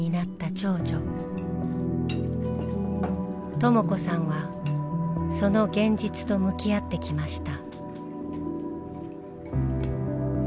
とも子さんはその現実と向き合ってきました。